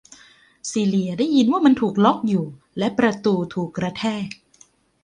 ซีเลียได้ยินว่ามันถูกล๊อคอยู่ และประตูถูกกระแทก